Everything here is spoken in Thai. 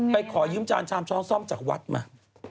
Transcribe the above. ขอยืมจานชามช้อนซ่อมจากวัดมา